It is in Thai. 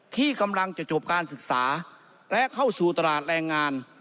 ที่กำลังจะจบการศึกษาและเข้าสู่ตลาดแรงงาน